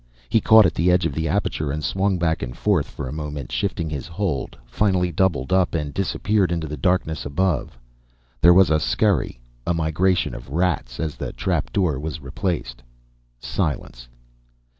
He caught at the edge of the aperture and swung back and forth, for a moment, shifting his hold; finally doubled up and disappeared into the darkness above. There was a scurry, a migration of rats, as the trap door was replaced;... silence.